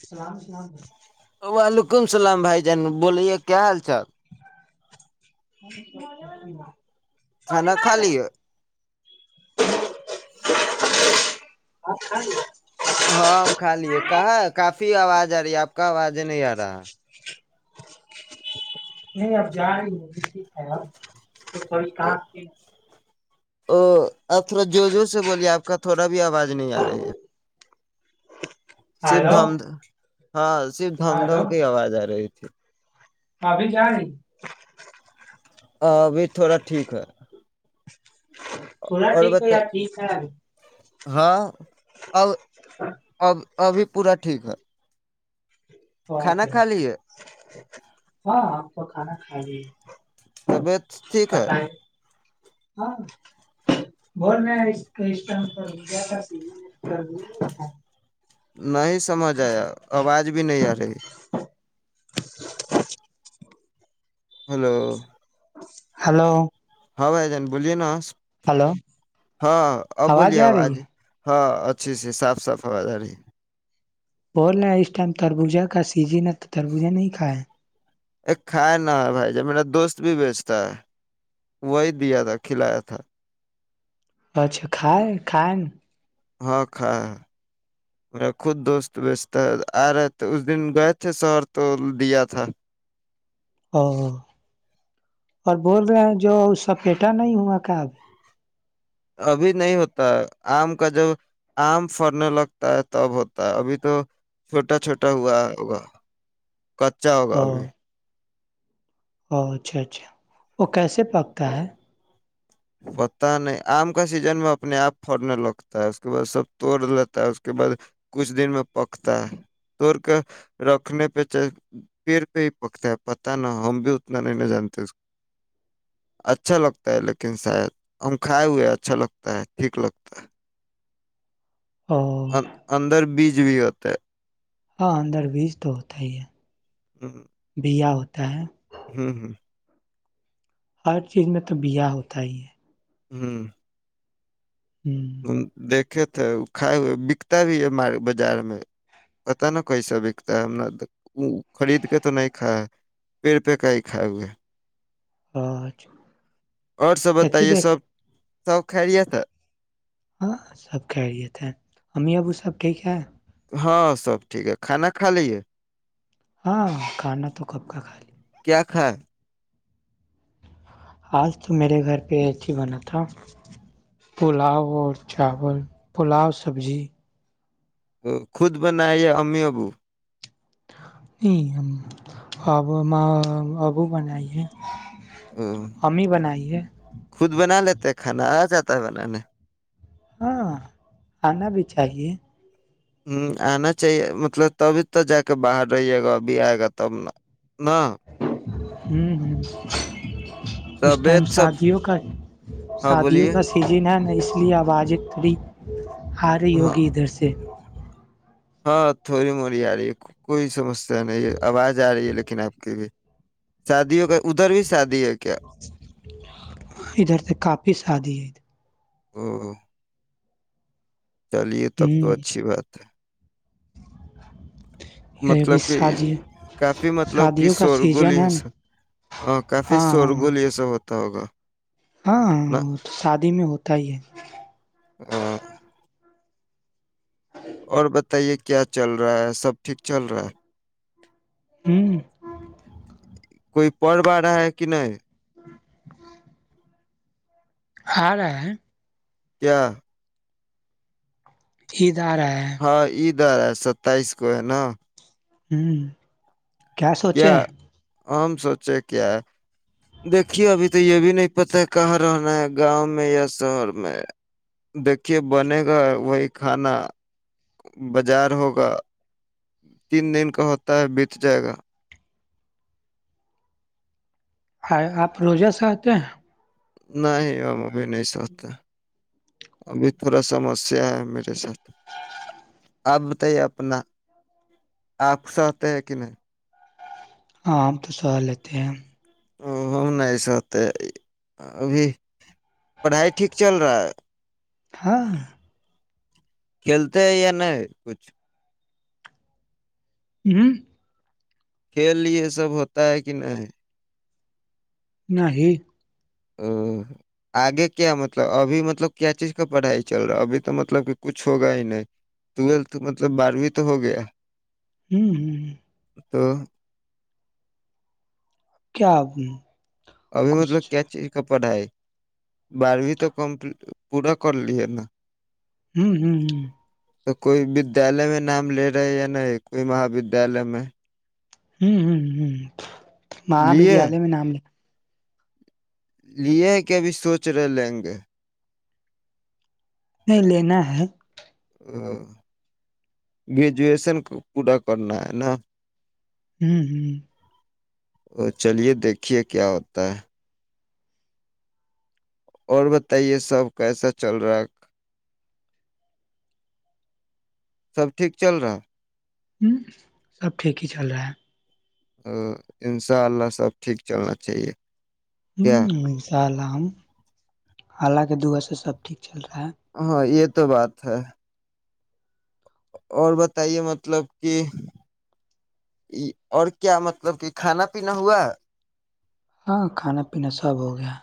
سلام سلام وعلیکم سلام بھائی جان بوولے کیا حال [inaudible] کھانا کھلائے آ [inaudible] ہاں ہم کھا لیے کہاں ہے کافی آواز آ رہی آپ کا آوازیں نہیں آ رہا نہیں اب جا رہی ہو تو ھیک ہےپ تو تھی کہاں کی آپ تھوڑا جو جوور سے بولیے آپ کا تھوڑا آواز نہیں آ رہی ہے [unintelligible] ہلو ہاں صرف دھم دھم ہلو کی آواز آ رہی [inaudible] ابھی جائ ابھی تھوڑا ٹھیک ہے تھوڑا اور ٹھیک ہے بت یار ٹھیک ہے ہاں اب اب ابھی پورا ٹھیک ہے کھانا کھا لیے ہاں ہم تو کھانا کھلائے طبیعت ٹھیک ہے [unintelligible] نہیں سمجھ آیا آواز بھی نہیں آرہی ہلو ہلو ہاں بھائی جن بولیے نا ہلو ہاں آواز ابولیے آ رہی آوج ہے ہاں اچھے سے صاف صفائی آرہی ہے بول رہے اس ٹائم تربوجا کا سیجن تو تربوجا نہیں کھا ہے ا کھائے نہ ہے بھائی جب میرا دوست بھی بیچتا ہے وہی دیا تھا کھلایا تھا اچھا کائے کائے ہاں کا میرا خود دوست بیچتا ہے آ رہے تھے اس دن گئے تھے شہر تو دیا تھا او اور بول رہے ہیں جو اس سپیٹا نہیں ہوا کیا ابھی ابھی نہیں ہوتا ہے آم کا جب آم فرنے لگتا ہے تب ہوتا ہے ابھی تو چھوٹا چھوٹا ہوا ہوگا کچا ہوگا او ابھی او اچھا اچھا وہ کیسے پکتا ہے پتا نہیں آم کا سیزن میں اپنے آپ پڑنے لگتا ہے اس کے بعد سب توڑ لیتا ہے اس کے بعد کچھ دن میں پکتا ہے توڑ کے رکھنے پہ پیر پہ ہی پکتا ہے پتا نہ ہم بھی اتنا نہیں نہ جانتے اچھا لگتا ہے ل لیکن شاید ہم کھائے ہوئے اچھا لگتا ہے ٹھیک لگتا ہے او اندر بیچ جیی ہوت ہے ہاں اندر بیج توتا ہی ہے ہوں دیا ہوتا ہے ہوں ہوں ہر چیز میں تو بیاہ ہوتا ہی ہے ہوں ہ دیکھے تو تو کائے ہوئے بکتا بھی ہےار بازار میں پتا نا کیسا بکتا ہے ہم نے خرید کے تو نہیں کھ پیڑ پہ کا ہی کائے ہوئے ہے پانچ اور سب بتائیے سب سب خا رہیے ت ہاں سب کہریت ہے امی ابو سب ٹھیک ہے ہاں سب ٹھیک ہے کھانا کھا لیے ہاں کھانا تو کب کا خالی ہھ آج تو میرے گھر پہ ایک ہی بنا تھا پلاؤ اور چاول پلاؤ سبزی تو خود بنا امی ابو نہیں ہم اب ہم ابو بنائیے او خود بنا لیتا کھانا آ جاتا ہے بنانے ہاں آنا بھی چاہیے ہ آنا چاہیے مطلب تبھی تو جا کے باہر رہیے گا ابھی آئے گا تب ن ہ ہ اس ٹائم طبیعت سب شادیوں کا ہاں شادیوں بولیے کا سیزن ہے نا اس اصلی آواز ات بھی ہارے ہاں یوگی ادھر سے ہاں تھوڑی موڑی آ رہی ہے کوئی سمسیا نہیں ہے آواز آ رہی ہے لیکن آپ کی بھی شادیوں کا ادھر بھی شادی ہے کیا ادھر تو کافی شادی ہے ہوں چلیے تب تو ہ اچھی بات ہے [unintelligible] یہ بھی مطلب کہ شادی کافی مطلب کہ شادیوں کا شور سیزن گلی ہے نا ایسا ہ کافی ہاں شور ہاں گلی ایسا ہوتا ہوگا ہاں ہاں نا وہ تو شادی میں ہوتا ہی ہے آ اور بتائیے کیا چل رہا ہے سب ٹھیک چل رہا ہے ہوں کوئی پرو آ رہا ہے کہ نہیں ہ [inaudible] آ رہ [inaudible] کیا ایک جا رہا ہے ادھر ہے ستائیس کو ہے نا ہوں کیا سوچیں ہم سوچے کیا ہے دیکھیے ابھی تو یہ بھی نہیں پتا ہے کہاں رہنا ہے گاؤں میں یا شہر میں دیکے بنے گا وہی کھانا بازار ہوگا تین دن کا ہوتا ہے بیت جائے گا ہ آپ روجہ سے آتے ہیں نہیں ہم ابھی نہیں سوچتا ابھی تھوڑا سمسیا ہے میرے ساتھ اب تو یہ اپنا آپساہتے ہے کہ نہیں ہاں ہم تو سہا لیتے ہیں اوم نہیں ایسا ہوتے ہے ابھی پڑھائی ٹھیک چل رہا ہے [unintelligible] ہاں کھیلتے ہیں یا نہیں کچھ ہوں کھیل یہ سب ہوتا ہے کہ نہیں نہیں ا آگے کیا مطلب ابھی مطلب کیا چیز کا پڑھائی چل رہا ہے ابھی تو مطلب کہ کچھ ہوگا ہی نہیں ٹویلتھ مطلب بارہویں تو ہو گیا ہوں ہ ہ [unintelligible] تو [inaudible] کیا ابھی مطلب کچھ کیا چیز ک پڑھائی بارہویں تو کمپ پورا کر لیے نا ہوں ہوں ہ تو کوئی ودیالیہ میں نام لے رہے یا نہیں کوئی مہ ودیالیہ میں ہوں ہ ہ [inaudible] مہا لیے ودیالیہ میں نام ل لیے کہب سوچ رہے لیں گے نہیں لینا ہے ا گریجویشن پورا کرنا ہے نا ہوں ہوں ا چلیے دیکے کیا ہوتا ہے؟ اور بتائیے سب کیسا چل رہا سب ٹھیک چل رہا ہوں سب ٹھیک ہی چل رہا ہے ا انشاء اللہ سب ٹھیک چلنا چاہیے کیا ہسال ہمم [inaudible] حالانکہ دعا سے سب ٹھیک چل رہا ہے ہاں یہ تو بات ہے اور بتائیے مطلب کہ اور کیا مطلب کہ کھانا پینا ہوا ہاں کھانا پینا سب ہو گیا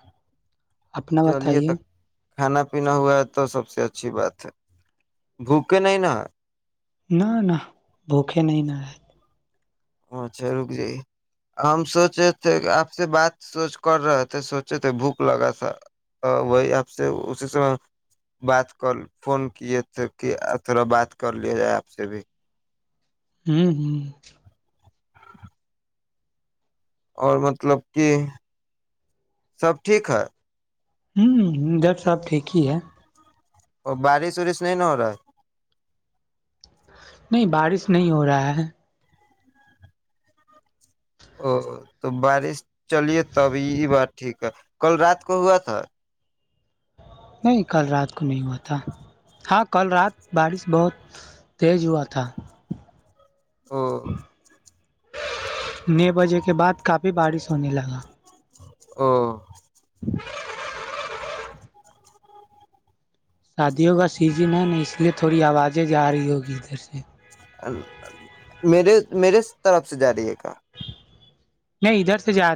اپنا چلیے بتائیے تو کھانا پینا ہوا ہے تو سب سے اچھی بات ہے بھوکے نہیں نا نہ نہ بھوکے نہیں نہ رہ اچھا رک جئی ہم سوچے تھے کہ آپ سے بات سوچ کر رہے تھے سوچے تھے بھوک لگا تھا وہی آپ سے اسی سے بات کر فون کیے تھے کہ تھوڑا بات کر لیا جائے آپ سے بھی ہوں ہوں اور مطلب کہ سب ٹھیک ہے ہوں ڈر صاحب ٹھیک ہی ہے اور بارش وارش نہیں نا ہو رہا ہے نہیں بارش نہیں ہو رہا ہے او تو بارش چلیے تبھی بات ٹھیک ہے کل رات کو ہوا تھا نہیں کل رات کو نہیں ہوا تھا ہاں کل رات بارش بہت تیز ہوا تھا ہ ن بجے کے بعد کافی بارش ہونے لگا ہ شادیوں کا سیزن ہے نا اس لیے تھوڑی آوازیں ج رہی ہوگی ادھر سے میرے میرے طرف سے جا رہی ہے کا نہیں ادھر سے جا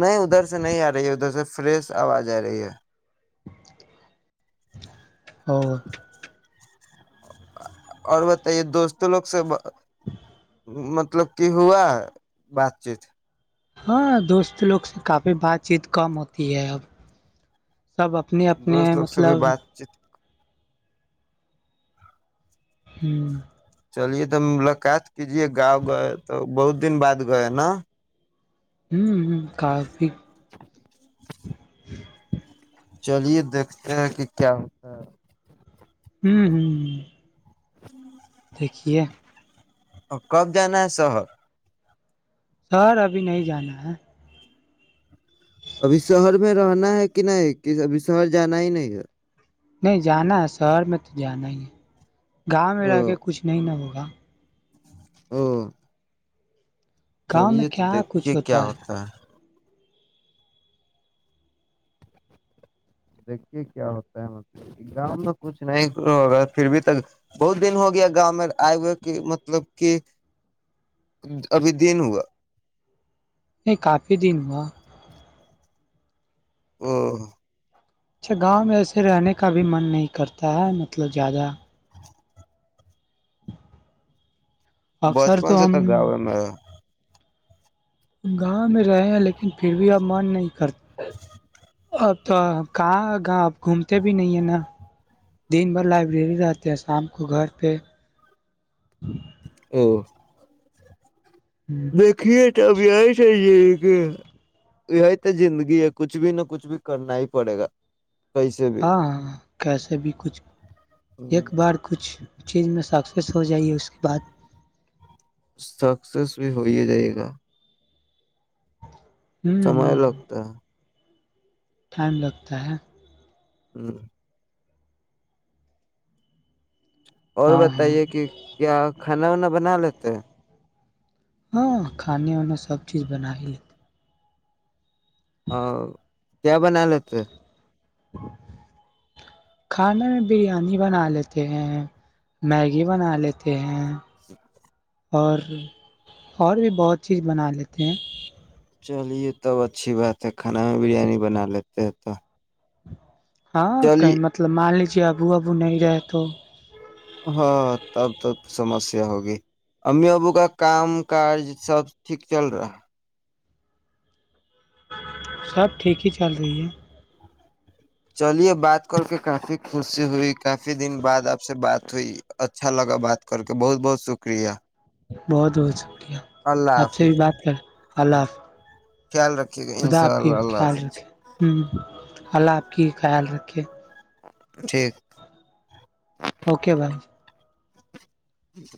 نہیں ادھر سے نہیں آ رہی ہے ادھر سے فریش آواز آ رہی ہے ہ اور بتائیے دوستوں لوگ سے مطلب کہ ہوا بات چیت ہاں دوست لوگ سے کافی بات چیت کم ہوتی ہے اب سب اپنے اپنے دوست لوگ سے بھی مطلب بات چیت ہوں چلیے ت ملاقات کیجیے گاؤں گئے تو بہت دن بعد گئے نا ہوں کافی چلیے دیکھتے ہیں کہ کیا ہوتا ہے ہوں ہوں دیک ہے اور کب جانا ہے شہر سر ابھی نہیں جانا ہے ابھی شہر میں رہنا ہے کہ نہیں کہ ابھی شہر جانا ہی نہیں ہے نہیں جانا ہے شہر میں تو جانا ہی ہے گاؤ میں رہ او کے کچھ نہیں نہ ہوگا [inaudible] گاؤں میں کرئے تو کیا دیکھے کچھ کیا ہوتا ہے؟ دیکھیے کیا ہوتا ہے مطلب گاؤں میں کچھ نہیں ہوگا پھر بھی تو بہت دن ہو گیا گاؤں میں آئے ہوئے کہ مطلب کہ ابھی دن ہوا نہیں کافی دن ہوا [inaudible] اچھا گاؤں میں ایسے رہنے کا بھی من نہیں کرتا ہے مطلب زیادہ اکثر بچپن تو سے ہم تک گاؤ ہے میں گاؤں میں رہے ہیں لیکن پھر بھی اب من نہیں کرتا اب تو کہاں گا اب گھومتے بھی نہیں ہیں نا دن بھر لائبریری رہتے ہیں شام کو گھر پہ او ہاں دیکھیے تھ اب یہ تھ یہ یہ تو زندگی ہے کچھ بھی نہ کچھ بھی کرنا ہی پڑے گا کیسے ہاں ہاں ہاں کیسے بھی کچھ بھی ایک بار کچھ چیز میں سکسیس ہو جائیے اس کے بعد سکسیس بھی ہو ہی جائے گا سمئے ہوں لگتا ہے ٹائم لگتا ہے ہوں اور ہاں ہاں بتائیے کہ کیا کھانا وانا بنا لیتے ہیں ہاں کھانے وانا سب چیز بنا ہی لیتے کیا بنال تو کھانا میں بریانی بنا لیتے ہیں میگی بنا لیتے ہیں اور اور بھی بہت چیز بنا لیتے ہیں چلیے تب اچھی بات ہے کھانا میں بریانی بنا لیتے ہیں تو ہاں چلیے کہیں مطلب مالک آبو آبو نہیں رہے تو ہاں تب تب سمسیا ہوگی امی ابو کا کام کاج سب ٹھیک چل رہا ہے سب ٹھیک ہی چل رہی ہے چلیے بات کر کے کافی خوشی ہوئی کافی دن بعد آپ سے بات ہوئی اچھا لگا بات کر کے بہت بہت شکریہ بہت بہت شکریہ اللہ آپ سے بھی حافظ بات کر ہاں اللہف خیال رکھیے گا ان خدا شاء آپ کی اللہ اللہ خیال حافظ رکھے اللہف کی خیال رکھے ٹھیک اوکے بھائی جچ